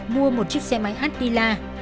mua một chiếc xe máy h dila